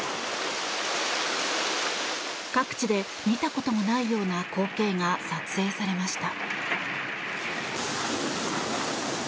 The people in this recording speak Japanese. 各地で見たこともないような光景が撮影されました。